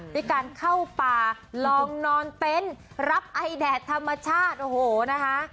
ด้วยการเข้าป่าลองนอนเต็นต์รับไอแดดธรรมชาติโอ้โหนะคะ